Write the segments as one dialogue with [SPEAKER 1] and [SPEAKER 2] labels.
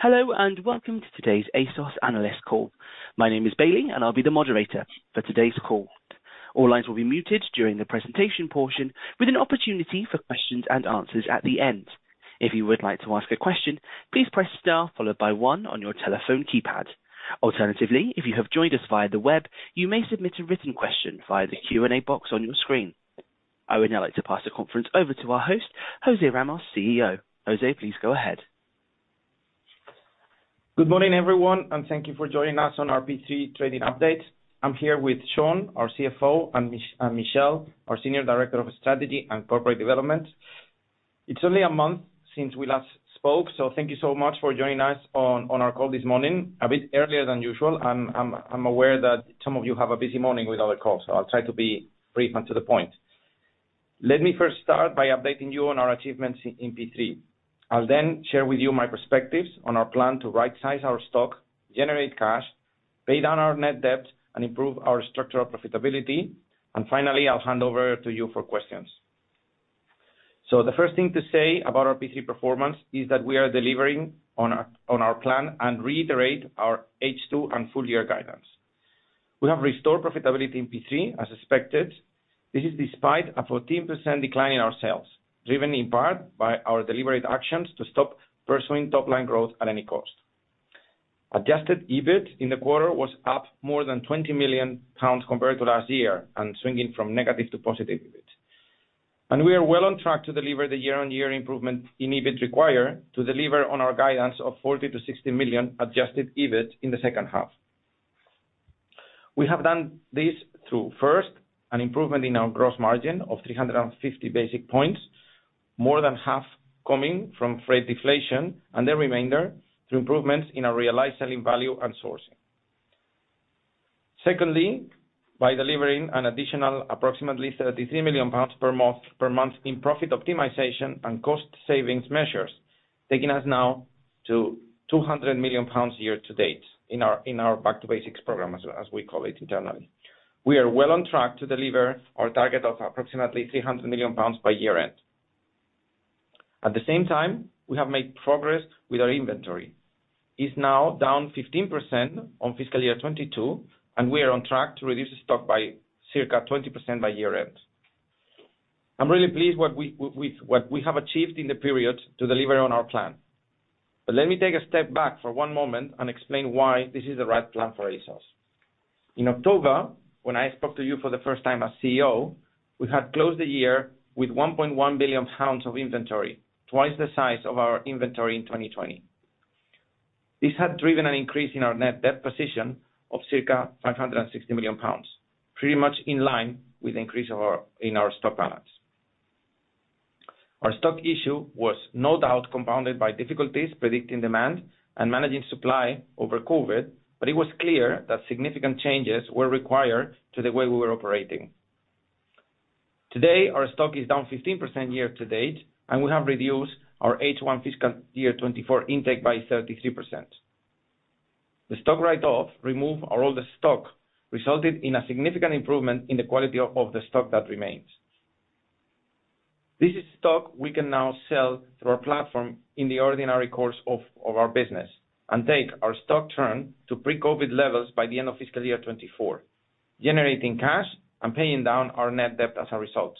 [SPEAKER 1] Hello, welcome to today's ASOS analyst call. My name is Bailey, and I'll be the moderator for today's call. All lines will be muted during the presentation portion, with an opportunity for questions and answers at the end. If you would like to ask a question, please press Star followed by one on your telephone keypad. Alternatively, if you have joined us via the web, you may submit a written question via the Q&A box on your screen. I would now like to pass the conference over to our host, José Ramos, CEO. José, please go ahead.
[SPEAKER 2] Good morning, everyone, and thank you for joining us on our P3 trading update. I'm here with Sean, our CFO, and Michelle, our Senior Director of Strategy and Corporate Development. It's only a month since we last spoke. Thank you so much for joining us on our call this morning, a bit earlier than usual. I'm aware that some of you have a busy morning with other calls. I'll try to be brief and to the point. Let me first start by updating you on our achievements in P3. I'll share with you my perspectives on our plan to rightsize our stock, generate cash, pay down our net debt, and improve our structural profitability. Finally, I'll hand over to you for questions. The first thing to say about our P3 performance is that we are delivering on our plan and reiterate our H2 and full-year guidance. We have restored profitability in P3, as expected. This is despite a 14% decline in our sales, driven in part by our deliberate actions to stop pursuing top-line growth at any cost. Adjusted EBIT in the quarter was up more than 20 million pounds compared to last year and swinging from negative to positive EBIT. We are well on track to deliver the year-on-year improvement in EBIT required to deliver on our guidance of 40 million-60 million adjusted EBIT in the second half. We have done this through, first, an improvement in our gross margin of 350 basis points, more than half coming from freight deflation and the remainder through improvements in our realized selling value and sourcing. Secondly, by delivering an additional approximately 33 million pounds per month in profit optimization and cost savings measures, taking us now to 200 million pounds year-to-date in our Back to Basics program as we call it internally. We are well on track to deliver our target of approximately 300 million pounds by year-end. At the same time, we have made progress with our inventory. It's now down 15% on fiscal year 2022, and we are on track to reduce stock by circa 20% by year-end. I'm really pleased with what we have achieved in the period to deliver on our plan. Let me take a step back for one moment and explain why this is the right plan for ASOS. In October, when I spoke to you for the first time as CEO, we had closed the year with 1.1 billion pounds of inventory, twice the size of our inventory in 2020. This had driven an increase in our net debt position of circa 560 million pounds, pretty much in line with increase in our stock balance. Our stock issue was no doubt compounded by difficulties predicting demand and managing supply over COVID, but it was clear that significant changes were required to the way we were operating. Today, our stock is down 15% year-to-date, and we have reduced our H1 fiscal year 2024 intake by 33%. The stock write-off removed our older stock, resulted in a significant improvement in the quality of the stock that remains. This is stock we can now sell through our platform in the ordinary course of our business and take our stock turn to pre-COVID levels by the end of fiscal year 2024, generating cash and paying down our net debt as a result.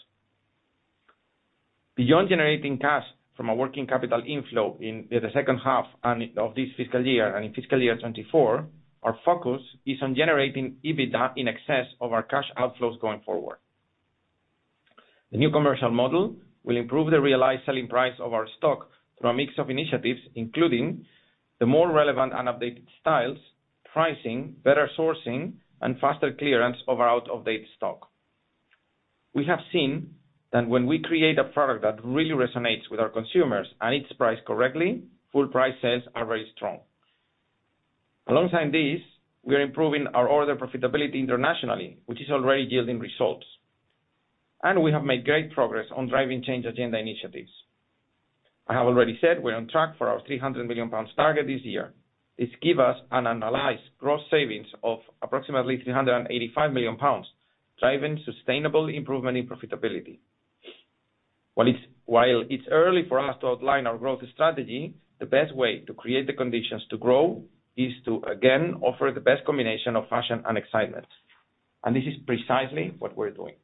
[SPEAKER 2] Beyond generating cash from a working capital inflow in the second half of this fiscal year and in fiscal year 2024, our focus is on generating EBITDA in excess of our cash outflows going forward. The new commercial model will improve the realized selling price of our stock through a mix of initiatives, including the more relevant and updated styles, pricing, better sourcing, and faster clearance of our out-of-date stock. We have seen that when we create a product that really resonates with our consumers and it's priced correctly, full price sales are very strong. Alongside this, we are improving our order profitability internationally, which is already yielding results. We have made great progress on Driving Change agenda initiatives. I have already said we're on track for our 300 million pounds target this year. This give us an analyzed gross savings of approximately 385 million pounds, driving sustainable improvement in profitability. While it's early for us to outline our growth strategy, the best way to create the conditions to grow is to, again, offer the best combination of fashion and excitement. This is precisely what we're doing.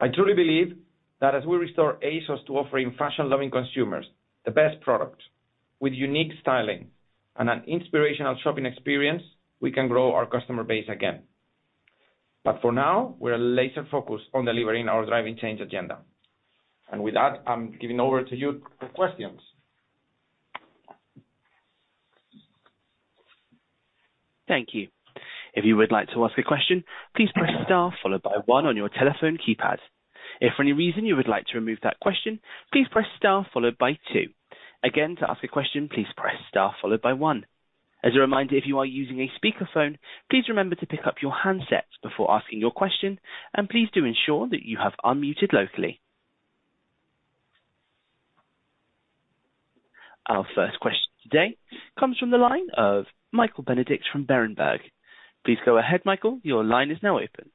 [SPEAKER 2] I truly believe that as we restore ASOS to offering fashion-loving consumers the best products with unique styling and an inspirational shopping experience, we can grow our customer base again. For now, we are laser focused on delivering our Driving Change agenda. With that, I'm giving over to you for questions.
[SPEAKER 1] Thank you. If you would like to ask a question, please press Star followed by one on your telephone keypad. If for any reason you would like to remove that question, please press Star followed by two. Again, to ask a question, please press Star followed by one. As a reminder, if you are using a speakerphone, please remember to pick up your handset before asking your question, and please do ensure that you have unmuted locally. Our first question today comes from the line of Michael Benedict from Berenberg. Please go ahead, Michael. Your line is now open.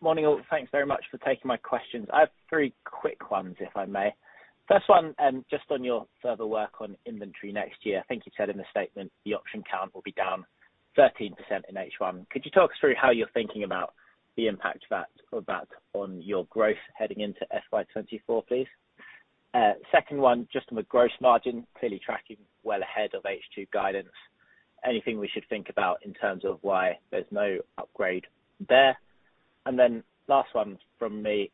[SPEAKER 3] Morning, all. Thanks very much for taking my questions. I have three quick ones, if I may. First one, just on your further work on inventory next year. I think you said in the statement the option count will be down 13% in H1. Could you talk us through how you're thinking about the impact of that on your growth heading into FY 2024, please? Second one, just on the gross margin, clearly tracking well ahead of H2 guidance. Anything we should think about in terms of why there's no upgrade there? Last one from me,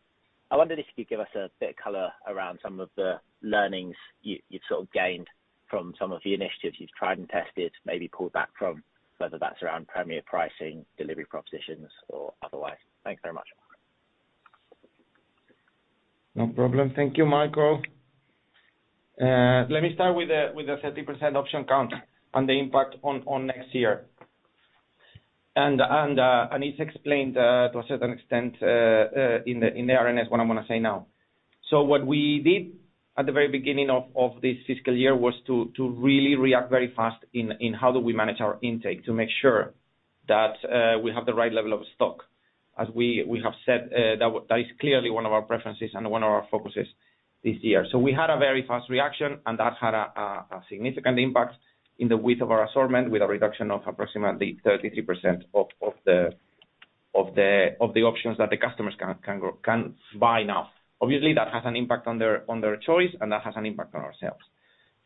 [SPEAKER 3] I wondered if you could give us a bit of color around some of the learnings you've sort of gained from some of the initiatives you've tried and tested, maybe pulled back from, whether that's around Premier pricing, delivery propositions, or otherwise. Thanks very much.
[SPEAKER 2] No problem. Thank you, Michael. Let me start with the, with the 30% option count and the impact on next year. It's explained to a certain extent in the RNS, what I'm gonna say now. What we did at the very beginning of this fiscal year was to really react very fast in how do we manage our intake to make sure that we have the right level of stock. As we have said, that is clearly one of our preferences and one of our focuses this year. We had a very fast reaction, and that had a significant impact in the width of our assortment, with a reduction of approximately 33% of the options that the customers can buy now. Obviously, that has an impact on their choice, and that has an impact on our sales.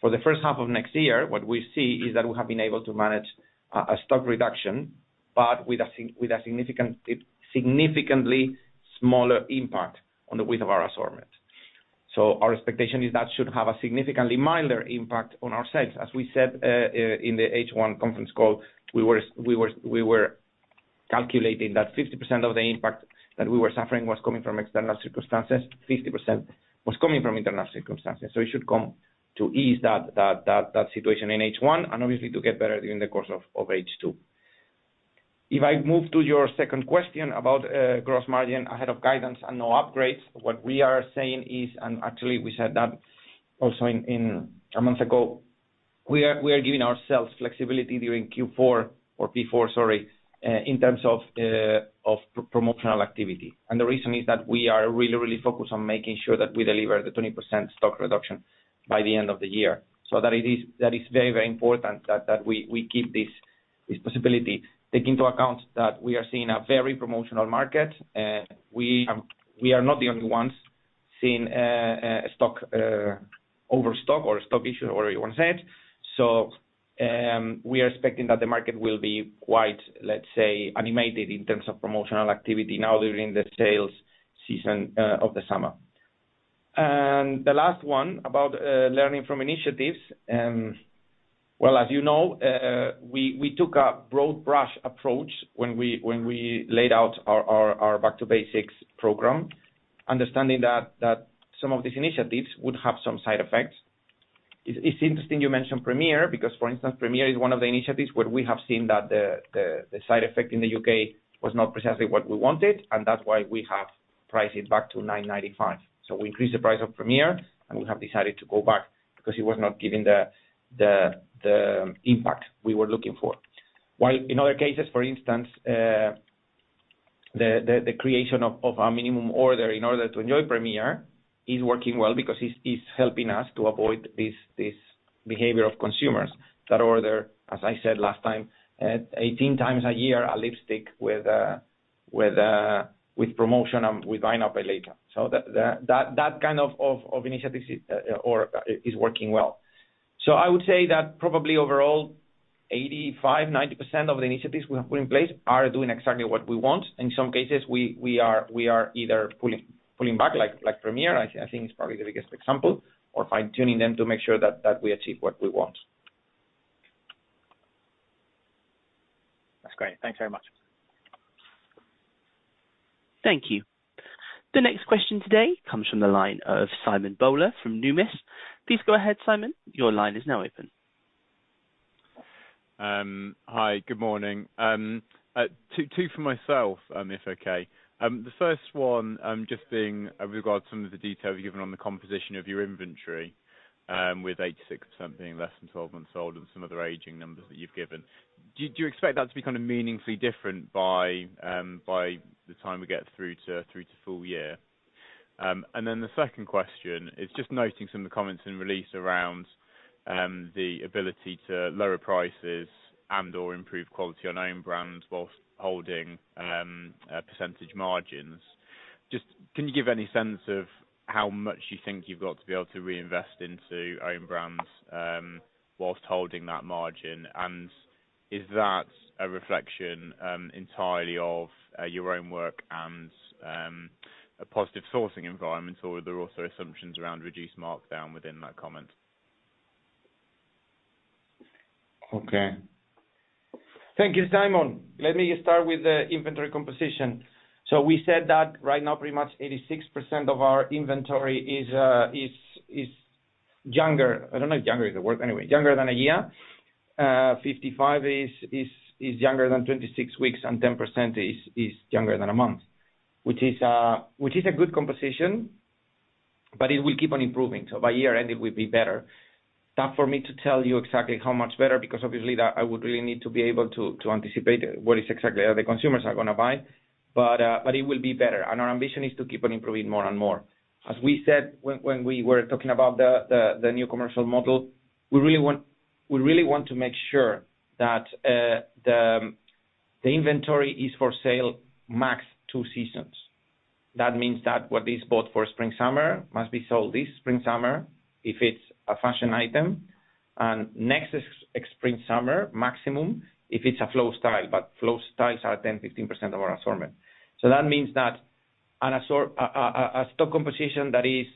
[SPEAKER 2] For the first half of next year, what we see is that we have been able to manage a stock reduction, but with a significantly smaller impact on the width of our assortment. Our expectation is that should have a significantly milder impact on our sales. As we said, in the H1 conference call, we were calculating that 50% of the impact that we were suffering was coming from external circumstances, 50% was coming from internal circumstances. It should come to ease that situation in H1, and obviously to get better in the course of H2. If I move to your second question about gross margin ahead of guidance and no upgrades, what we are saying is, and actually we said that also a month ago, we are giving ourselves flexibility during Q4, sorry, in terms of promotional activity. The reason is that we are really focused on making sure that we deliver the 20% stock reduction by the end of the year. It is... that is very important that we keep this possibility, take into account that we are seeing a very promotional market. We are not the only ones seeing stock, overstock or stock issue, however you want to say it. We are expecting that the market will be quite, let's say, animated in terms of promotional activity now during the sales season of the summer. The last one about learning from initiatives. Well, as you know, we took a broad brush approach when we laid out our back to basics program, understanding that some of these initiatives would have some side effects. It's interesting you mentioned Premier, because, for instance, Premier is one of the initiatives where we have seen that the side effect in the U.K. was not precisely what we wanted, and that's why we have priced it back to 9.95. We increased the price of Premier, and we have decided to go back, because it was not giving the impact we were looking for. While in other cases, for instance, the creation of our minimum order in order to enjoy Premier is working well because it's helping us to avoid this behavior of consumers that order, as I said last time, 18x a year, a lipstick with promotion and with Buy Now, Pay Later. That kind of initiatives is working well. I would say that probably overall 85%, 90% of the initiatives we have put in place are doing exactly what we want. In some cases, we are either pulling back, like Premier, I think it's probably the biggest example, or fine-tuning them to make sure that we achieve what we want.
[SPEAKER 3] That's great. Thanks very much.
[SPEAKER 1] Thank you. The next question today comes from the line of Simon Bowler from Numis. Please go ahead, Simon. Your line is now open.
[SPEAKER 4] Hi, good morning. Two for myself, if okay. The first one, just being with regard some of the details you've given on the composition of your inventory, with 86% being less than 12 months old and some other aging numbers that you've given. Do you expect that to be kind of meaningfully different by the time we get through to full-year? The second question is just noting some of the comments in the release around the ability to lower prices and/or improve quality on own brands while holding percentage margins. Just, can you give any sense of how much you think you've got to be able to reinvest into own brands, while holding that margin? Is that a reflection, entirely of, your own work and, a positive sourcing environment, or are there also assumptions around reduced markdown within that comment?
[SPEAKER 2] Okay. Thank you, Simon. Let me start with the inventory composition. We said that right now, pretty much 86% of our inventory is younger. I don't know if younger is the word, anyway, younger than 1 year. 55 is younger than 26 weeks, and 10% is younger than 1 month, which is a good composition. It will keep on improving, by year end, it will be better. Tough for me to tell you exactly how much better, because obviously that I would really need to be able to anticipate what is exactly how the consumers are gonna buy, but it will be better. Our ambition is to keep on improving more and more. As we said, when we were talking about the new commercial model, we really want to make sure that the inventory is for sale max 2 seasons. That means that what is bought for spring/summer must be sold this spring/summer, if it's a fashion item, and next spring/summer maximum, if it's a flow style, but flow styles are 10%-15% of our assortment. That means that on a stock composition that is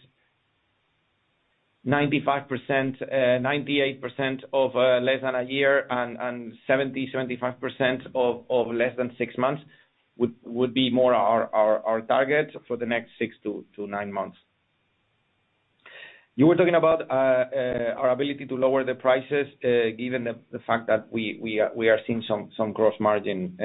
[SPEAKER 2] 95%, 98% of less than a year and 70%-75% of less than 6 months, would be more our target for the next 6-9 months. You were talking about our ability to lower the prices, given the fact that we are seeing some gross margin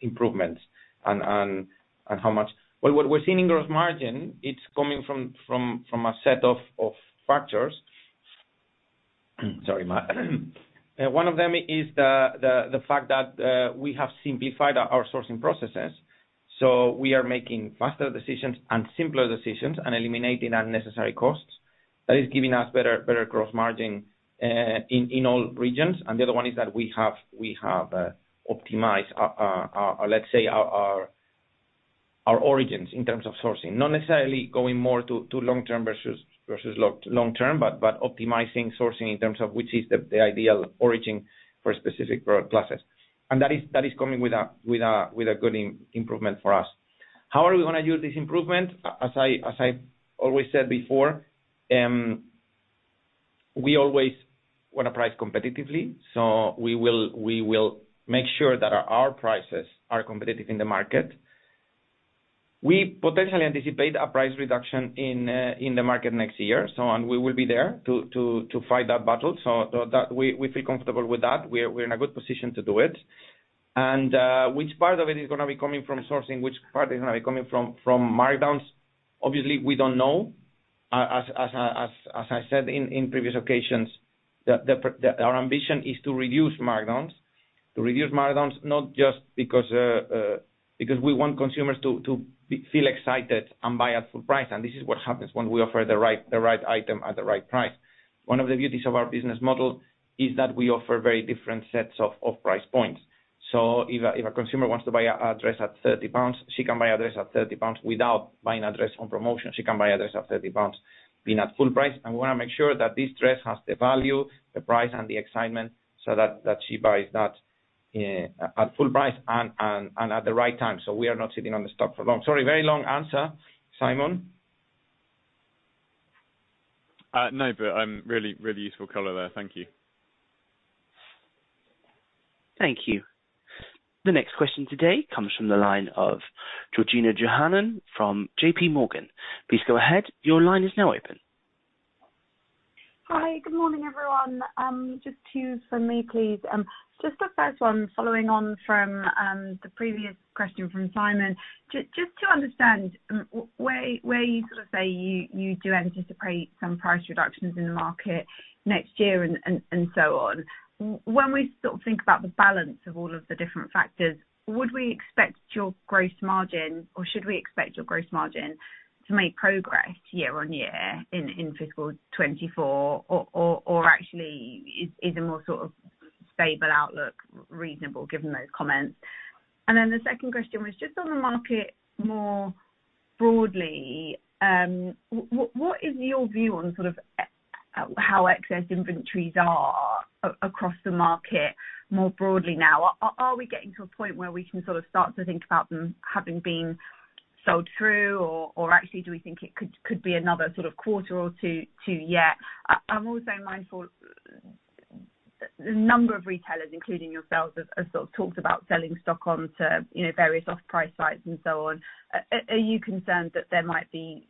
[SPEAKER 2] improvements, and how much. Well, what we're seeing in gross margin, it's coming from a set of factors. Sorry. One of them is the fact that we have simplified our sourcing processes, so we are making faster decisions and simpler decisions and eliminating unnecessary costs. That is giving us better gross margin in all regions. The other one is that we have optimized our origins in terms of sourcing, not necessarily going more to long term versus long-term, but optimizing sourcing in terms of which is the ideal origin for specific product classes. That is coming with a good improvement for us. How are we gonna use this improvement? As I always said before, we always want to price competitively, so we will make sure that our prices are competitive in the market. We potentially anticipate a price reduction in the market next year, so and we will be there to fight that battle. That we feel comfortable with that. We're in a good position to do it. Which part of it is gonna be coming from sourcing, which part is gonna be coming from markdowns? Obviously, we don't know. As I said in previous occasions, our ambition is to reduce markdowns. To reduce markdowns, not just because we want consumers to feel excited and buy at full price, and this is what happens when we offer the right, the right item at the right price. One of the beauties of our business model is that we offer very different sets of price points. If a consumer wants to buy a dress at 30 pounds, she can buy a dress at 30 pounds without buying a dress on promotion. She can buy a dress at 30 pounds, being at full price. We wanna make sure that this dress has the value, the price, and the excitement so that she buys that at full price and at the right time. We are not sitting on the stock for long. Sorry, very long answer, Simon.
[SPEAKER 4] no, really, really useful color there. Thank you.
[SPEAKER 1] Thank you. The next question today comes from the line of Georgina Johanan from JP Morgan. Please go ahead. Your line is now open.
[SPEAKER 5] Hi, good morning, everyone. Just two from me, please. Just the first one, following on from the previous question from Simon. Just to understand where you sort of say you do anticipate some price reductions in the market next year and so on. When we sort of think about the balance of all of the different factors, would we expect your gross margin, or should we expect your gross margin to make progress year-on-year in Fiscal 2024? Or actually is a more sort of stable outlook reasonable, given those comments? The second question was just on the market more broadly, what is your view on sort of, how excess inventories are across the market more broadly now? Are we getting to a point where we can sort of start to think about them having been sold through? Or actually, do we think it could be another sort of quarter or two to yet? I'm also mindful, a number of retailers, including yourselves, have sort of talked about selling stock onto, you know, various off-price sites and so on. Are you concerned that there might be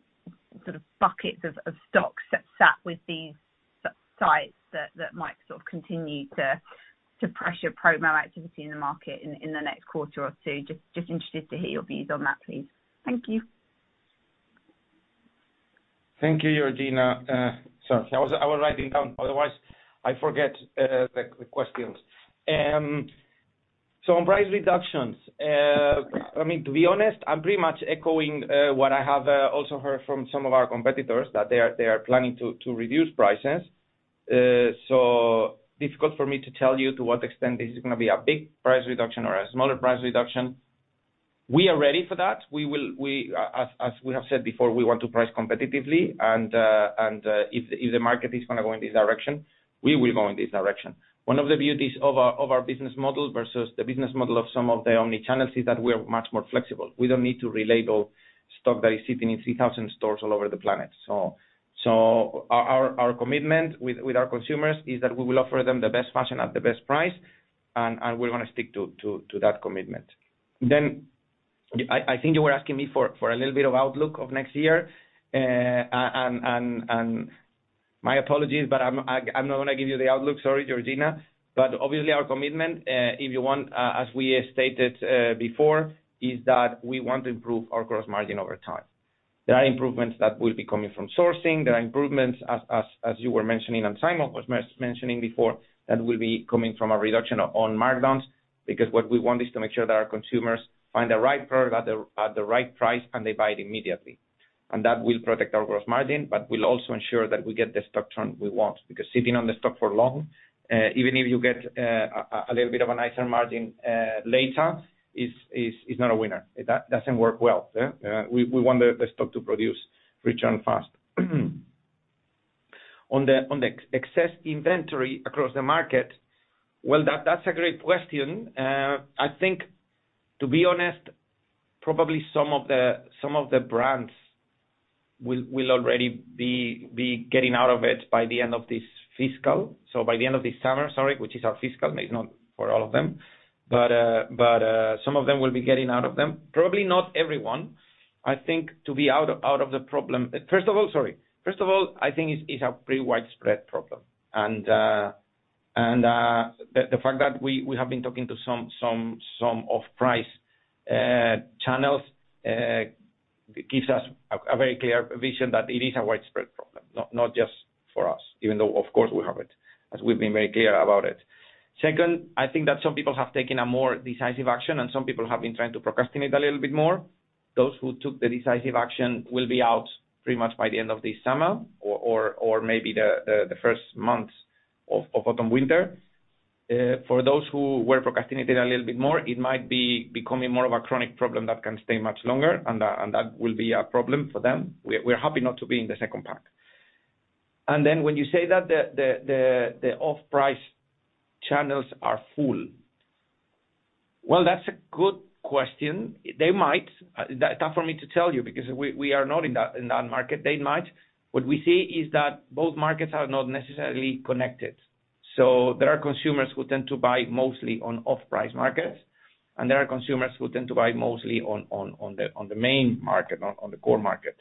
[SPEAKER 5] sort of buckets of stocks that sat with these sites that might sort of continue to pressure promo activity in the market in the next quarter or two? Just interested to hear your views on that, please. Thank you.
[SPEAKER 2] Thank you, Georgina. Sorry, I was writing down, otherwise I forget the questions. On price reductions, I mean, to be honest, I'm pretty much echoing what I have also heard from some of our competitors, that they are planning to reduce prices. Difficult for me to tell you to what extent this is gonna be a big price reduction or a smaller price reduction. We are ready for that. We, as we have said before, we want to price competitively, and if the market is gonna go in this direction, we will go in this direction. One of the beauties of our business model versus the business model of some of the omnichannels, is that we're much more flexible. We don't need to relabel stock that is sitting in 3,000 stores all over the planet. Our commitment with our consumers, is that we will offer them the best fashion at the best price, and we're gonna stick to that commitment. I think you were asking me for a little bit of outlook of next year, and My apologies, but I'm not gonna give you the outlook. Sorry, Georgina. Obviously, our commitment, if you want, as we stated before, is that we want to improve our gross margin over time. There are improvements that will be coming from sourcing. There are improvements, as you were mentioning, and Simon was mentioning before, that will be coming from a reduction on markdowns, because what we want is to make sure that our consumers find the right product at the right price, and they buy it immediately. That will protect our gross margin, but will also ensure that we get the stock turn we want, because sitting on the stock for long, even if you get a little bit of a nicer margin later, is not a winner. That doesn't work well. Yeah, we want the stock to produce return fast. On the excess inventory across the market, well, that's a great question. I think, to be honest, probably some of the brands will already be getting out of it by the end of this fiscal. By the end of this summer, sorry, which is our fiscal, maybe not for all of them. Some of them will be getting out of them. Probably not everyone. I think, to be out of the problem. First of all, sorry. First of all, I think it's a pretty widespread problem. The fact that we have been talking to some off-price channels gives us a very clear vision that it is a widespread problem, not just for us, even though, of course, we have it, as we've been very clear about it. Second, I think that some people have taken a more decisive action, and some people have been trying to procrastinate a little bit more. Those who took the decisive action will be out pretty much by the end of this summer or maybe the first months of autumn, winter. For those who were procrastinated a little bit more, it might be becoming more of a chronic problem that can stay much longer, and that will be a problem for them. We're happy not to be in the second pack. When you say that the off-price channels are full. Well, that's a good question. They might. That's tough for me to tell you because we are not in that market. They might. What we see is that both markets are not necessarily connected. There are consumers who tend to buy mostly on off-price markets, and there are consumers who tend to buy mostly on the main market, on the core market.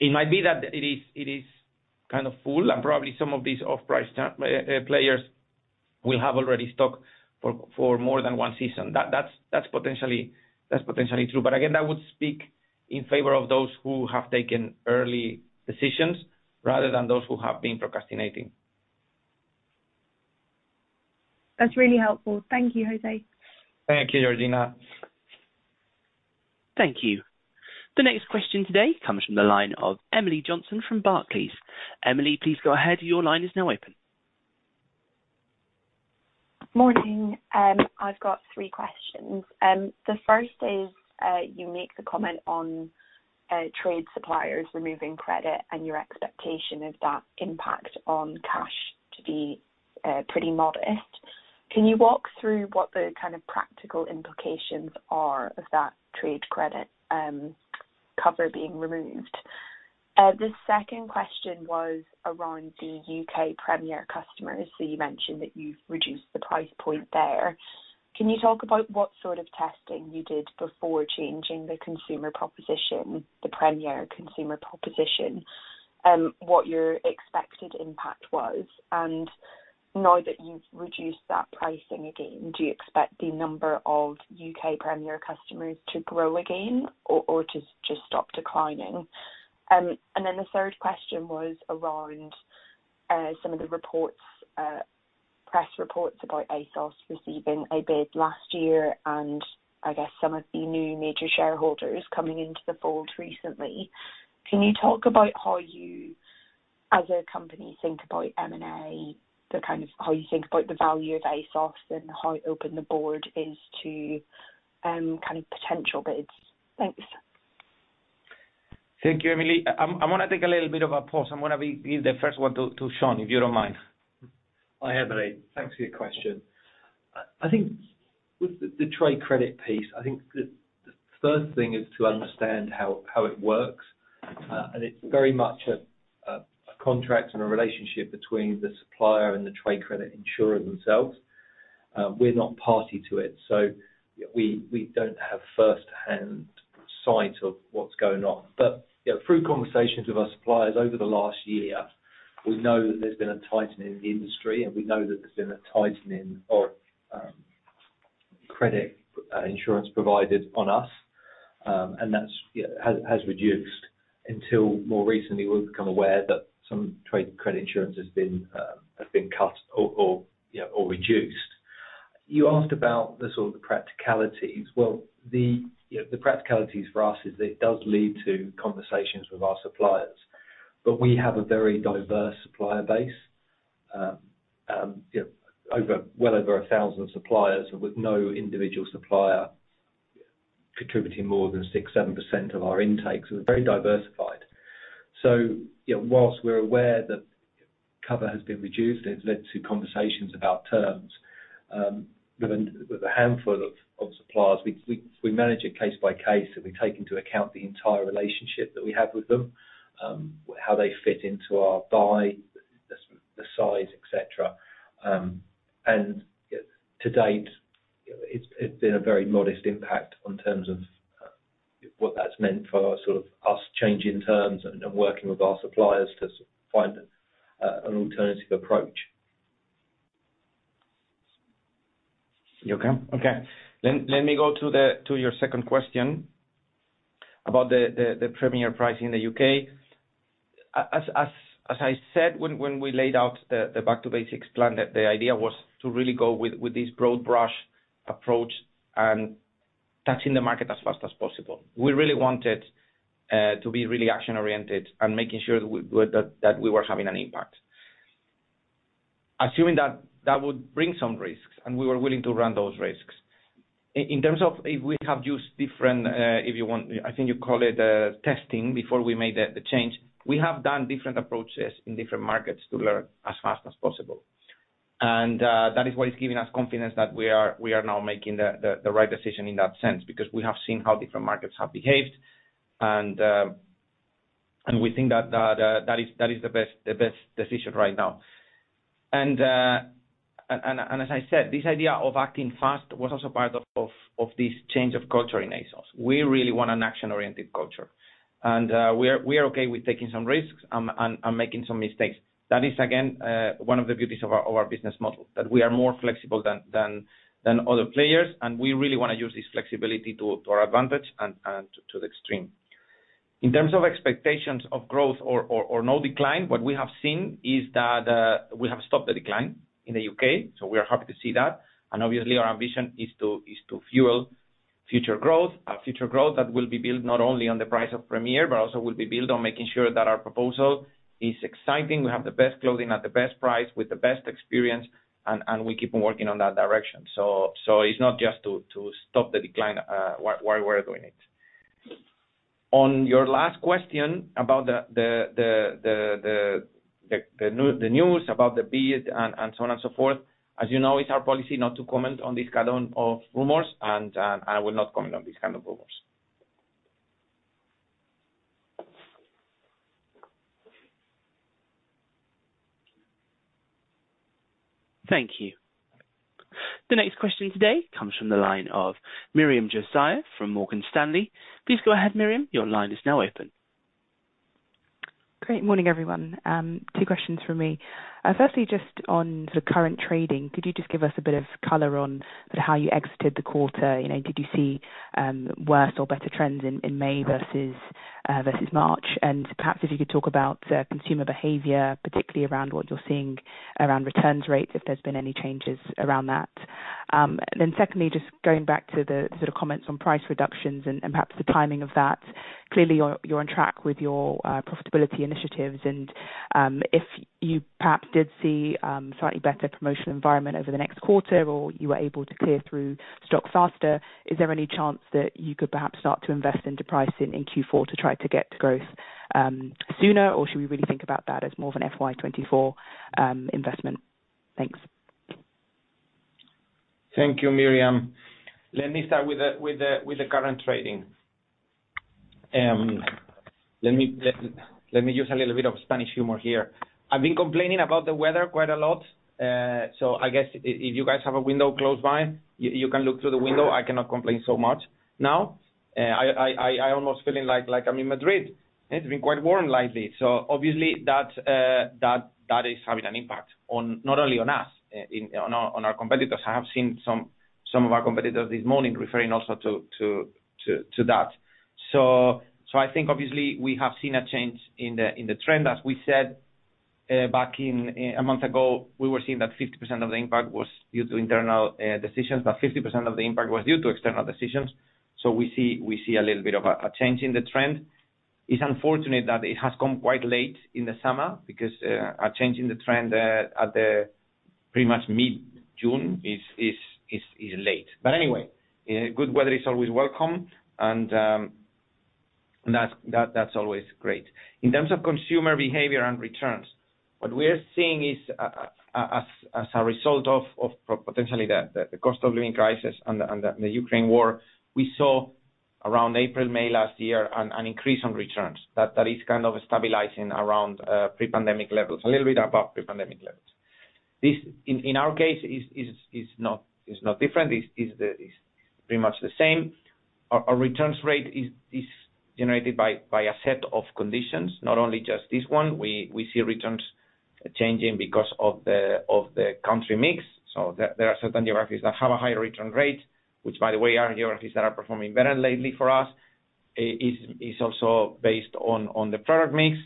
[SPEAKER 2] It might be that it is kind of full, and probably some of these off-price players will have already stock for more than one season. That's potentially true. Again, that would speak in favor of those who have taken early decisions rather than those who have been procrastinating.
[SPEAKER 5] That's really helpful. Thank you, José.
[SPEAKER 2] Thank you, Georgina.
[SPEAKER 1] Thank you. The next question today comes from the line of Emily Johnson from Barclays. Emily, please go ahead. Your line is now open.
[SPEAKER 6] Morning, I've got three questions. The first is, you make the comment on trade suppliers removing credit and your expectation of that impact on cash to be pretty modest. Can you walk through what the kind of practical implications are of that trade credit cover being removed? The second question was around the U.K. Premier customers. You mentioned that you've reduced the price point there. Can you talk about what sort of testing you did before changing the consumer proposition, the Premier consumer proposition, what your expected impact was? Now that you've reduced that pricing again, do you expect the number of U.K. Premier customers to grow again or to just stop declining? The third question was around some of the reports, press reports about ASOS receiving a bid last year, and I guess some of the new major shareholders coming into the fold recently. Can you talk about how you, as a company, think about M&A, the kind of, how you think about the value of ASOS and how open the board is to kind of potential bids? Thanks.
[SPEAKER 2] Thank you, Emily. I wanna take a little bit of a pause. I'm gonna leave the first one to Sean, if you don't mind.
[SPEAKER 7] Hi, Emily. Thanks for your question. I think with the trade credit piece, I think the first thing is to understand how it works, and it's very much a contract and a relationship between the supplier and the trade credit insurer themselves. We're not party to it, so we don't have first-hand sight of what's going on. You know, through conversations with our suppliers over the last year, we know that there's been a tightening in the industry, and we know that there's been a tightening of credit insurance provided on us. And that's has reduced until more recently, we've become aware that some trade credit insurance has been cut or reduced. You asked about the sort of the practicalities. The, you know, the practicalities for us is it does lead to conversations with our suppliers, but we have a very diverse supplier base. You know, over, well over 1,000 suppliers with no individual supplier contributing more than 6%, 7% of our intakes. We're very diversified. You know, whilst we're aware that cover has been reduced, it's led to conversations about terms with a handful of suppliers. We manage it case by case, and we take into account the entire relationship that we have with them, how they fit into our size, et cetera. To date, it's been a very modest impact in terms of what that's meant for sort of us changing terms and working with our suppliers to find an alternative approach.
[SPEAKER 2] You okay? Okay. Let me go to your second question about the Premier pricing in the U.K. As I said, when we laid out the back-to-basics plan, that the idea was to really go with this broad-brush approach and touching the market as fast as possible. We really wanted to be really action-oriented and making sure that we were having an impact. Assuming that that would bring some risks, and we were willing to run those risks. In terms of if we have used different, if you want, I think you call it, testing before we made the change, we have done different approaches in different markets to learn as fast as possible. That is what is giving us confidence that we are now making the right decision in that sense, because we have seen how different markets have behaved. We think that is the best decision right now. As I said, this idea of acting fast was also part of this change of culture in ASOS. We really want an action-oriented culture, and we are okay with taking some risks and making some mistakes. That is, again, one of the beauties of our business model, that we are more flexible than other players, and we really want to use this flexibility to our advantage and to the extreme. In terms of expectations of growth or no decline, what we have seen is that we have stopped the decline in the U.K., so we are happy to see that. Obviously, our ambition is to fuel future growth, future growth that will be built not only on the price of Premier, but also will be built on making sure that our proposal is exciting. We have the best clothing at the best price, with the best experience, and we keep on working on that direction. It's not just to stop the decline, why we're doing it. On your last question about the news about the bid and so on and so forth, as you know, it's our policy not to comment on this kind of rumors. I will not comment on this kind of rumors.
[SPEAKER 1] Thank you. The next question today comes from the line of Miriam Josiah from Morgan Stanley. Please go ahead, Miriam, your line is now open.
[SPEAKER 8] Great morning, everyone. 2 questions from me. Firstly, just on the current trading, could you just give us a bit of color on sort of how you exited the quarter? You know, did you see worse or better trends in May versus versus March? Perhaps if you could talk about consumer behavior, particularly around what you're seeing around returns rates, if there's been any changes around that? Secondly, just going back to the sort of comments on price reductions and perhaps the timing of that? Clearly, you're on track with your profitability initiatives and, if you perhaps did see, slightly better promotional environment over the next quarter, or you were able to clear through stock faster, is there any chance that you could perhaps start to invest into pricing in Q4 to try to get to growth sooner? Should we really think about that as more of an FY 2024 investment? Thanks.
[SPEAKER 2] Thank you, Miriam. Let me start with the current trading. Let me use a little bit of Spanish humor here. I've been complaining about the weather quite a lot, so I guess if you guys have a window close by, you can look through the window. I cannot complain so much now. I almost feeling like I'm in Madrid. It's been quite warm lately. Obviously that is having an impact on not only on us, in our competitors. I have seen some of our competitors this morning referring also to that. I think obviously we have seen a change in the trend. As we said, back in a month ago, we were seeing that 50% of the impact was due to internal decisions, but 50% of the impact was due to external decisions. We see a little bit of a change in the trend. It's unfortunate that it has come quite late in the summer because a change in the trend at the pretty much mid-June is late. Anyway, good weather is always welcome, and that's always great. In terms of consumer behavior and returns, what we are seeing is as a result of potentially the cost of living crisis and the Ukraine War, we saw around April, May last year, an increase on returns, that is kind of stabilizing around pre-pandemic levels, a little bit above pre-pandemic levels. This, in our case, is not different. It's pretty much the same. Our returns rate is generated by a set of conditions, not only just this one. We see returns changing because of the country mix. There are certain geographies that have a higher return rate, which, by the way, are geographies that are performing better lately for us. Is also based on the product mix.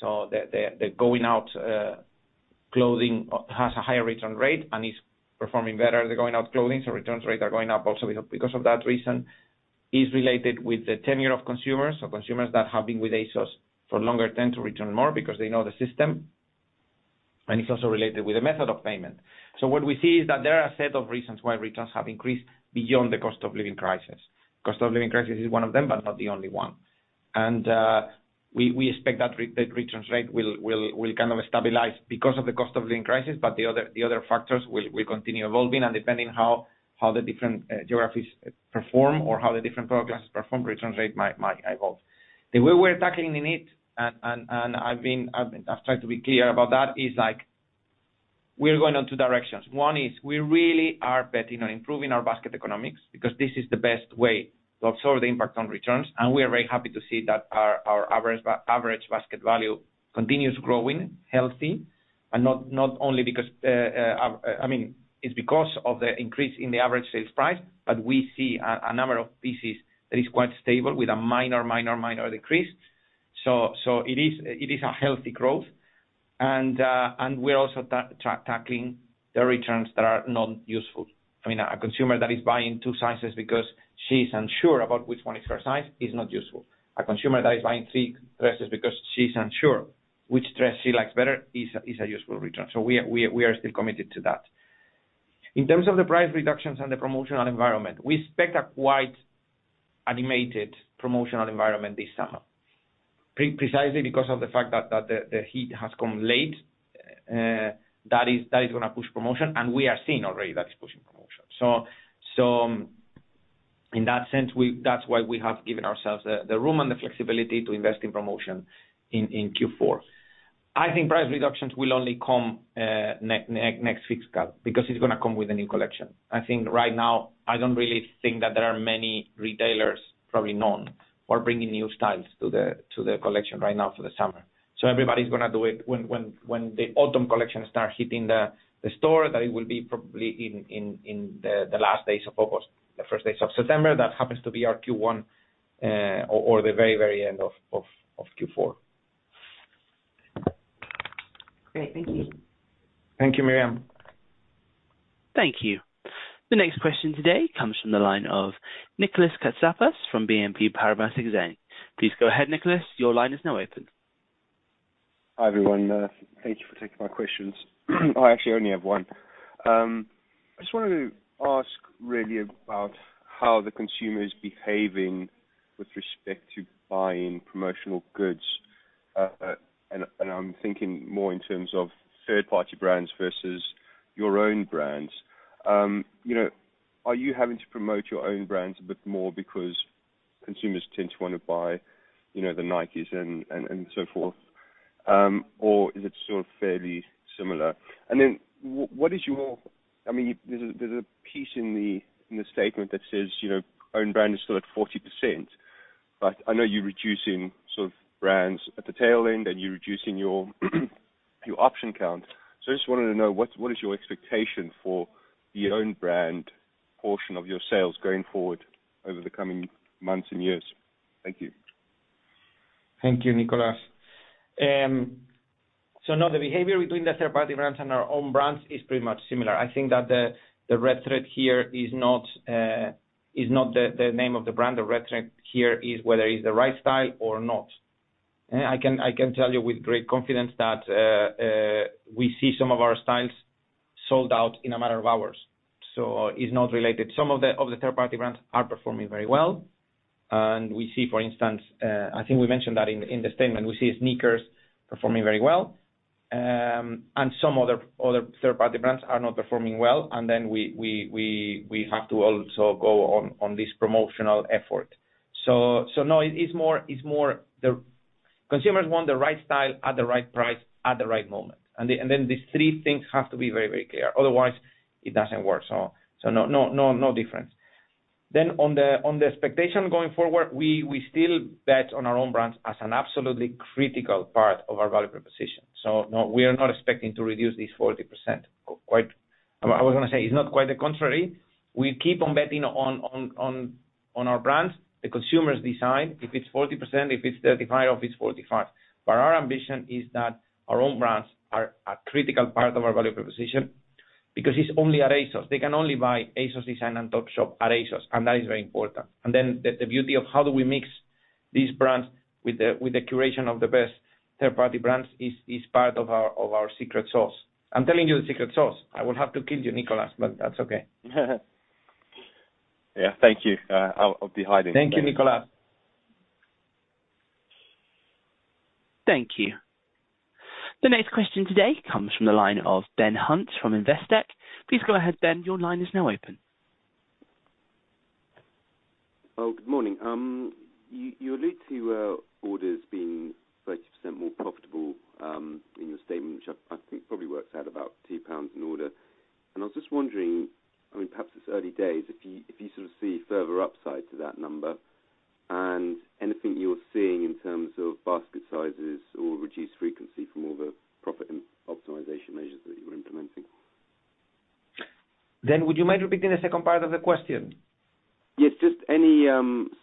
[SPEAKER 2] The going out clothing has a higher return rate and is performing better than going out clothing, returns rate are going up also because of that reason. Is related with the tenure of consumers that have been with ASOS for longer tend to return more because they know the system, and it's also related with the method of payment. What we see is that there are a set of reasons why returns have increased beyond the cost of living crisis. Cost of living crisis is one of them, but not the only one. We expect that the returns rate will kind of stabilize because of the cost of living crisis. The other factors will continue evolving. Depending how the different geographies perform or how the different product classes perform, returns rate might evolve. The way we're tackling the need, and I've tried to be clear about that, is like, we are going on two directions. One is we really are betting on improving our basket economics because this is the best way to absorb the impact on returns. We are very happy to see that our average basket value continues growing healthy and not only because, I mean, it's because of the increase in the average sales price, but we see a number of pieces that is quite stable with a minor decrease. It is a healthy growth. We're also tackling the returns that are not useful. I mean, a consumer that is buying two sizes because she's unsure about which one is her size, is not useful. A consumer that is buying three dresses because she's unsure which dress she likes better, is a useful return. We are still committed to that. In terms of the price reductions and the promotional environment, we expect a quite animated promotional environment this summer. Precisely because of the fact that the heat has come late, that is gonna push promotion, and we are seeing already that it's pushing promotion. In that sense, that's why we have given ourselves the room and the flexibility to invest in promotion in Q4. I think price reductions will only come next fiscal, because it's gonna come with a new collection. I think right now, I don't really think that there are many retailers, probably none, who are bringing new styles to the collection right now for the summer. Everybody's gonna do it when the autumn collection start hitting the store, that it will be probably in the last days of August, the first days of September, that happens to be our Q1, or the very end of Q4.
[SPEAKER 8] Great. Thank you.
[SPEAKER 2] Thank you, Miriam.
[SPEAKER 1] Thank you. The next question today comes from the line of Nicolas Katsapas from BNP Paribas Exane. Please go ahead, Nicholas, your line is now open.
[SPEAKER 9] Hi, everyone, thank you for taking my questions. I actually only have one. I just wanted to ask really about how the consumer is behaving with respect to buying promotional goods. I'm thinking more in terms of third-party brands versus your own brands. You know, are you having to promote your own brands a bit more because consumers tend to wanna buy, you know, the Nikes and so forth? Is it still fairly similar? What is your. I mean, there's a piece in the statement that says, you know, own brand is still at 40%, but I know you're reducing sort of brands at the tail end, and you're reducing your option count. I just wanted to know what is your expectation for the own brand portion of your sales going forward over the coming months and years? Thank you.
[SPEAKER 2] Thank you, Nicolas. No, the behavior between the third-party brands and our own brands is pretty much similar. I think that the red thread here is not the name of the brand. The red thread here is whether it's the right style or not. I can tell you with great confidence that we see some of our styles sold out in a matter of hours, so it's not related. Some of the third-party brands are performing very well, and we see, for instance, I think we mentioned that in the statement, we see sneakers performing very well, and some other third-party brands are not performing well, and then we have to also go on this promotional effort. No, it's more the consumers want the right style at the right price, at the right moment. Then these three things have to be very, very clear, otherwise, it doesn't work. No difference. On the expectation going forward, we still bet on our own brands as an absolutely critical part of our value proposition. No, we are not expecting to reduce this 40%. I was gonna say, it's not quite the contrary. We keep on betting on our brands. The consumers decide if it's 40%, if it's 35% or if it's 45%. Our ambition is that our own brands are a critical part of our value proposition because it's only at ASOS. They can only buy ASOS Design and Topshop at ASOS. That is very important. The beauty of how do we mix these brands with the curation of the best third-party brands is part of our secret sauce. I'm telling you the secret sauce. I will have to kill you, Nicolas, That's okay.
[SPEAKER 9] Yeah. Thank you. I'll be hiding.
[SPEAKER 2] Thank you, Nicholas.
[SPEAKER 1] Thank you. The next question today comes from the line of Ben Hunt from Investec. Please go ahead, Ben, your line is now open.
[SPEAKER 10] Well, good morning. You allude to orders being 30% more profitable in your statement, which I think probably works out about 2 pounds an order. I was just wondering, I mean, perhaps it's early days, if you sort of see further upside to that number, and anything you're seeing in terms of basket sizes or reduced frequency from all the profit and optimization measures that you are implementing?
[SPEAKER 2] Ben, would you mind repeating the second part of the question?
[SPEAKER 10] Yes. Just any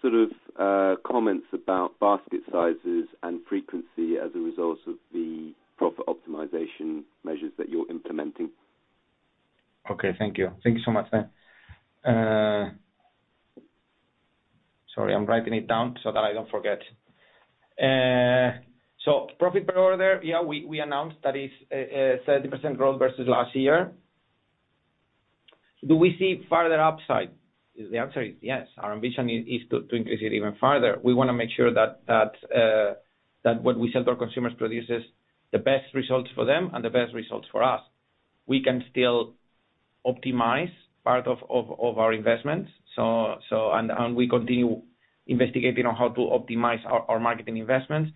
[SPEAKER 10] sort of comments about basket sizes and frequency as a result of the profit optimization measures that you're implementing.
[SPEAKER 2] Okay. Thank you. Thank you so much, Ben. Sorry, I'm writing it down so that I don't forget. Profit per order, yeah, we announced that is 30% growth versus last year. Do we see further upside? The answer is yes. Our ambition is to increase it even further. We wanna make sure that what we sell to our consumers produces the best results for them and the best results for us. We can still optimize part of our investments. We continue investigating on how to optimize our marketing investments.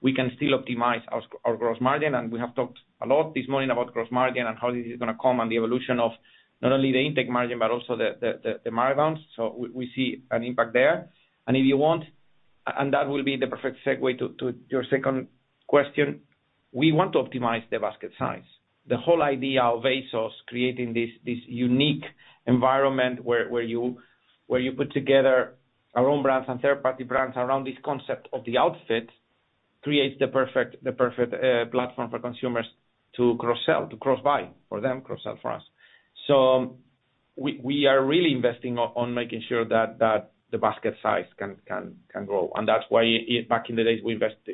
[SPEAKER 2] We can still optimize our gross margin, and we have talked a lot this morning about gross margin and how this is gonna come, and the evolution of not only the intake margin, but also the margins. We see an impact there. If you want, and that will be the perfect segue to your second question, we want to optimize the basket size. The whole idea of ASOS creating this unique environment where you put together our own brands and third-party brands around this concept of the outfit, creates the perfect platform for consumers to cross-sell, to cross-buy, for them cross-sell for us. We are really investing on making sure that the basket size can grow. That's why back in the days,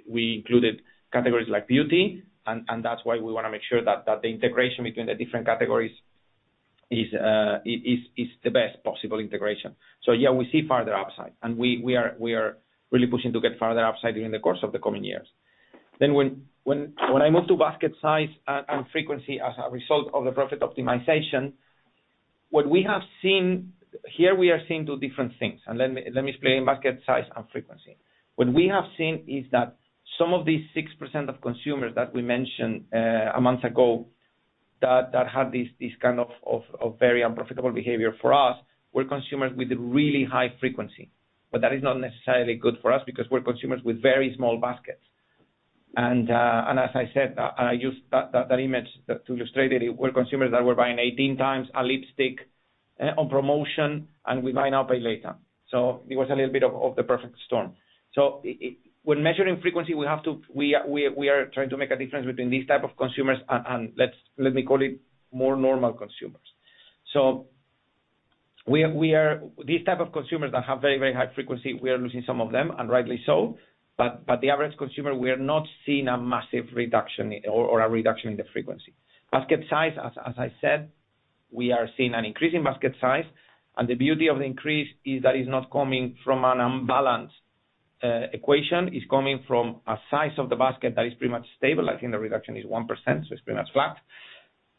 [SPEAKER 2] we included categories like beauty, and that's why we wanna make sure that the integration between the different categories is the best possible integration. Yeah, we see farther upside, and we are really pushing to get farther upside during the course of the coming years. When I move to basket size and frequency as a result of the profit optimization, what we have seen. Here, we are seeing two different things, and let me explain basket size and frequency. What we have seen is that some of these 6% of consumers that we mentioned a month ago, that had this kind of very unprofitable behavior for us, were consumers with really high frequency. That is not necessarily good for us because we're consumers with very small baskets. As I said, I use that image to illustrate it, we're consumers that were buying 18 times a lipstick on promotion, and we might not buy later. It was a little bit of the perfect storm. When measuring frequency, we have to. We are trying to make a difference between these type of consumers and let me call it more normal consumers. We have, we are these type of consumers that have very, very high frequency, we are losing some of them, and rightly so. But the average consumer, we are not seeing a massive reduction in, or a reduction in the frequency. Basket size, as I said, we are seeing an increase in basket size. The beauty of the increase is that it's not coming from an unbalanced equation. It's coming from a size of the basket that is pretty much stable. I think the reduction is 1%, so it's pretty much flat,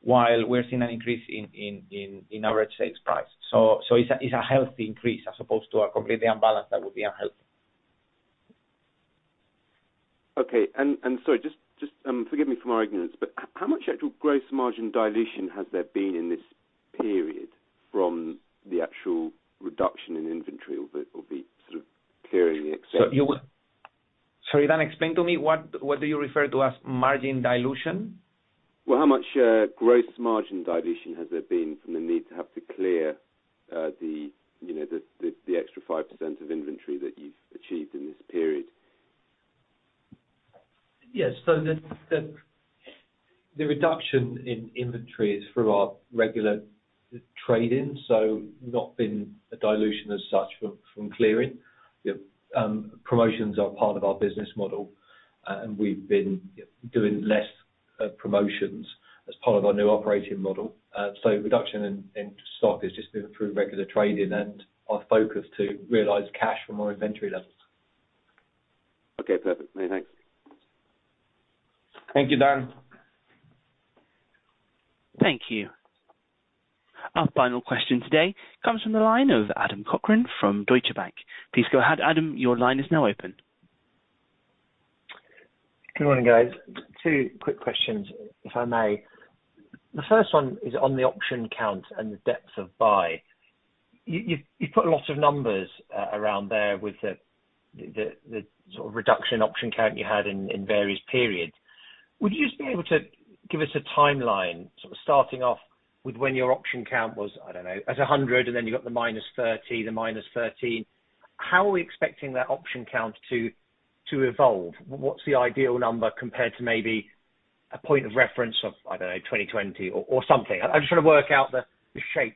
[SPEAKER 2] while we're seeing an increase in average sales price. It's a healthy increase as opposed to a completely unbalanced, that would be unhealthy.
[SPEAKER 10] Okay. Sorry, just, forgive me for my ignorance, but how much actual gross margin dilution has there been in this period from the actual reduction in inventory, or the sort of clearing the exception?
[SPEAKER 2] Sorry, Ben, explain to me, what do you refer to as margin dilution?
[SPEAKER 10] Well, how much gross margin dilution has there been from the need to have to clear the, you know, the, the extra 5% of inventory that you've achieved in this period?
[SPEAKER 7] Yes. The reduction in inventory is through our regular trade-ins, so not been a dilution as such from clearing. Promotions are part of our business model, and we've been doing less promotions as part of our new operating model. Reduction in stock has just been through regular trading and our focus to realize cash from our inventory levels.
[SPEAKER 10] Okay, perfect. Many thanks.
[SPEAKER 2] Thank you, Ben.
[SPEAKER 1] Thank you. Our final question today comes from the line of Adam Cochrane from Deutsche Bank. Please go ahead, Adam, your line is now open.
[SPEAKER 11] Good morning, guys. Two quick questions, if I may. The first one is on the option count and the depth of buy. You put a lot of numbers around there with the sort of reduction option count you had in various periods. Would you just be able to give us a timeline, sort of starting off with when your option count was, I don't know, at 100, and then you got the -30, the -13. How are we expecting that option count to evolve? What's the ideal number compared to maybe a point of reference of, I don't know, 2020 or something? I'm just trying to work out the shape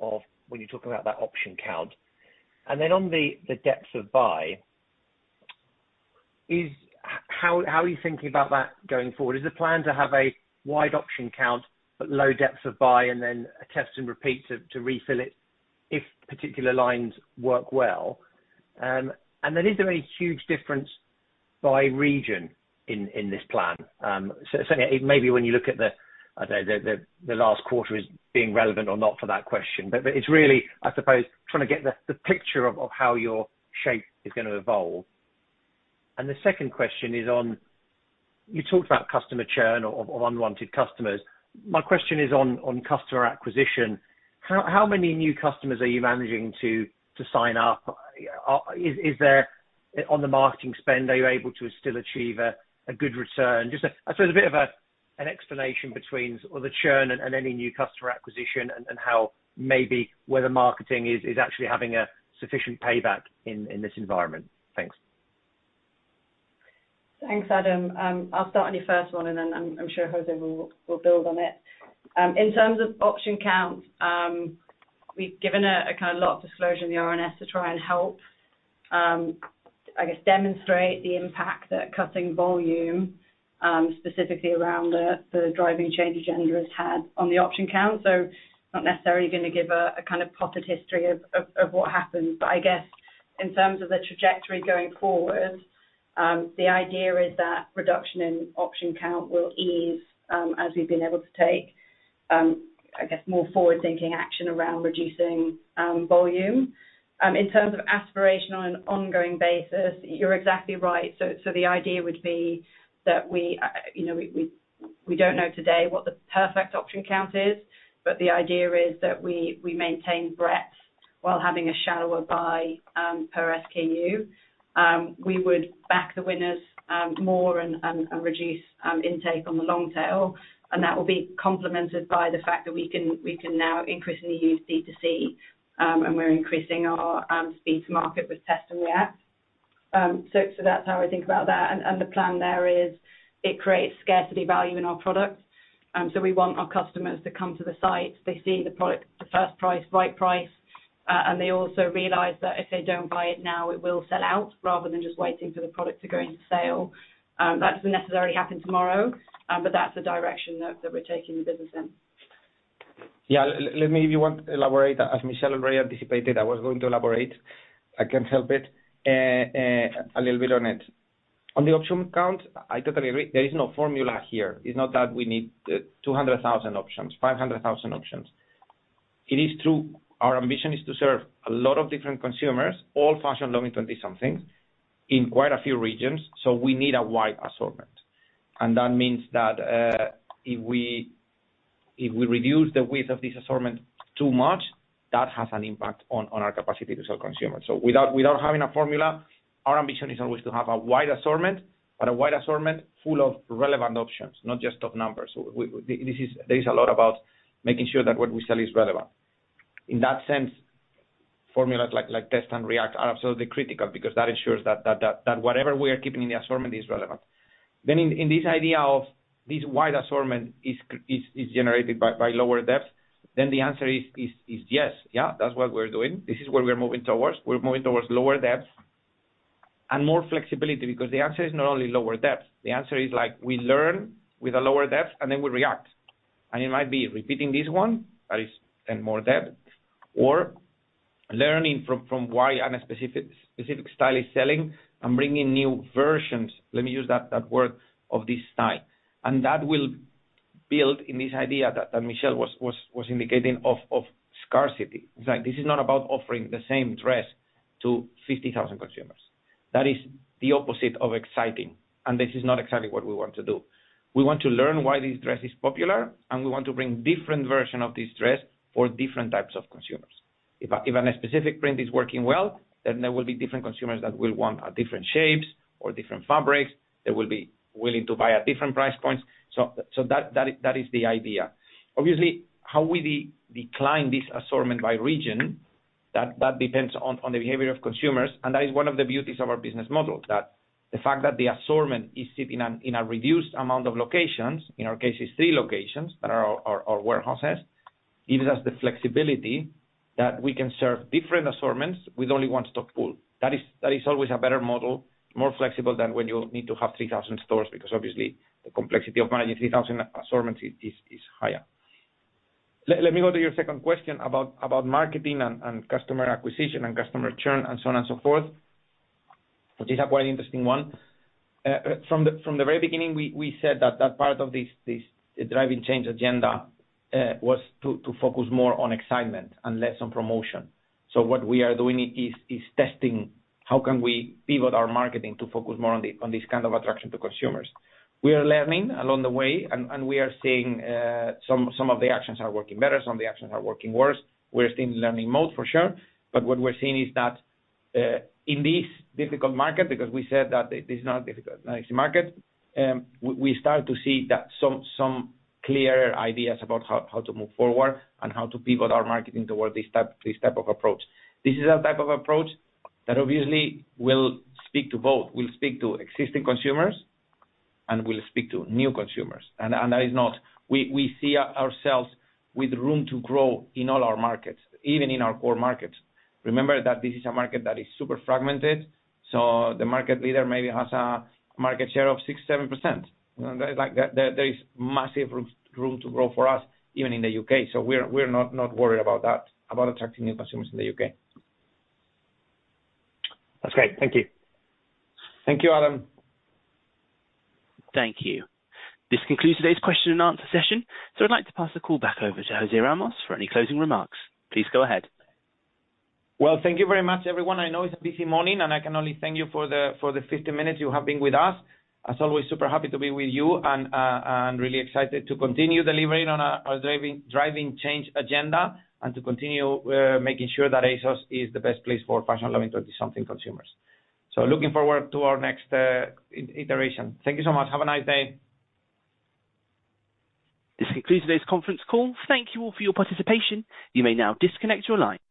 [SPEAKER 11] of when you're talking about that option count. Then on the depth of buy, how are you thinking about that going forward? Is the plan to have a wide option count, but low depth of buy, and then a Test & React to refill it if particular lines work well? Is there any huge difference by region in this plan? Maybe when you look at the last quarter is being relevant or not for that question. It's really, I suppose, trying to get the picture of how your shape is gonna evolve. The second question is on, you talked about customer churn or unwanted customers. My question is on customer acquisition. How many new customers are you managing to sign up? Is there, on the marketing spend, are you able to still achieve a good return? Just a, I suppose, a bit of a, an explanation between the churn and any new customer acquisition, and how maybe where the marketing is actually having a sufficient payback in this environment. Thanks.
[SPEAKER 12] Thanks, Adam. I'll start on your first one, and then I'm sure José will build on it. In terms of option count, we've given a kind of lot of disclosure in the RNS to try and help, I guess, demonstrate the impact that cutting volume, specifically around the Driving Change agenda has had on the option count. Not necessarily going to give a kind of potted history of what happened, but I guess in terms of the trajectory going forward, the idea is that reduction in option count will ease, as we've been able to take, I guess, more forward-thinking action around reducing volume. In terms of aspirational and ongoing basis, you're exactly right. The idea would be that we, you know, we don't know today what the perfect option count is, but the idea is that we maintain breadth while having a shallower buy per SKU. We would back the winners more and reduce intake on the long tail, and that will be complemented by the fact that we can increasingly use DTC, and we're increasing our speed to market with Test & React. That's how I think about that. The plan there is it creates scarcity value in our product. We want our customers to come to the site. They see the product, the first price, right price, and they also realize that if they don't buy it now, it will sell out, rather than just waiting for the product to go into sale. That doesn't necessarily happen tomorrow, but that's the direction that we're taking the business in.
[SPEAKER 2] Yeah, let me, if you want, elaborate, as Michelle already anticipated, I was going to elaborate. I can help it, a little bit on it. On the option count, I totally agree, there is no formula here. It's not that we need, 200,000 options, 500,000 options. It is true, our ambition is to serve a lot of different consumers, all fashion loving twenty-something, in quite a few regions, so we need a wide assortment. That means that, if we reduce the width of this assortment too much, that has an impact on our capacity to sell consumers. Without having a formula, our ambition is always to have a wide assortment, but a wide assortment full of relevant options, not just top numbers. We, there is a lot about making sure that what we sell is relevant. In that sense, formulas like Test & React are absolutely critical because that ensures that whatever we are keeping in the assortment is relevant. In this idea of this wide assortment is generated by lower depth, then the answer is yes. Yeah, that's what we're doing. This is where we're moving towards. We're moving towards lower depth and more flexibility because the answer is not only lower depth. The answer is, like, we learn with a lower depth, and then we react. It might be repeating this one, that is, and more depth, or learning from why on a specific style is selling and bringing new versions, let me use that word, of this style. That will build in this idea that Michelle was indicating of scarcity. It's like, this is not about offering the same dress to 50,000 consumers. That is the opposite of exciting, this is not exactly what we want to do. We want to learn why this dress is popular, we want to bring different version of this dress for different types of consumers. If a specific print is working well, then there will be different consumers that will want different shapes or different fabrics, that will be willing to buy at different price points. That is the idea. Obviously, how we decline this assortment by region, that depends on the behavior of consumers, that is one of the beauties of our business model. That the fact that the assortment is sitting in a reduced amount of locations, in our case, it's 3 locations that are our warehouses, gives us the flexibility that we can serve different assortments with only one stock pool. That is always a better model, more flexible than when you need to have 3,000 stores, because obviously, the complexity of managing 3,000 assortments is higher. Let me go to your second question about marketing and customer acquisition, and customer return, and so on and so forth. Which is a quite interesting one. From the very beginning, we said that part of this Driving Change agenda was to focus more on excitement and less on promotion. What we are doing is testing how can we pivot our marketing to focus more on this kind of attraction to consumers. We are learning along the way, and we are seeing some of the actions are working better, some of the actions are working worse. We're still in learning mode, for sure, but what we're seeing is that in this difficult market, because we said that it is not a difficult market, we start to see that some clearer ideas about how to move forward and how to pivot our marketing toward this type of approach. This is a type of approach that obviously will speak to both. Will speak to existing consumers, and will speak to new consumers. That is not... We see ourselves with room to grow in all our markets, even in our core markets. Remember that this is a market that is super fragmented, so the market leader maybe has a market share of 6%-7%. You know, there is, like, massive room to grow for us, even in the U.K. We're not worried about that, about attracting new consumers in the U.K.
[SPEAKER 11] That's great. Thank you.
[SPEAKER 2] Thank you, Adam.
[SPEAKER 1] Thank you. This concludes today's question-and-answer session. I'd like to pass the call back over to José Ramos for any closing remarks. Please go ahead.
[SPEAKER 2] Well, thank you very much, everyone. I know it's a busy morning, and I can only thank you for the 50 minutes you have been with us. As always, super happy to be with you and really excited to continue delivering on our Driving Change agenda, and to continue making sure that ASOS is the best place for fashion-loving twenty-something consumers. Looking forward to our next iteration. Thank you so much. Have a nice day.
[SPEAKER 1] This concludes today's conference call. Thank you all for your participation. You may now disconnect your line.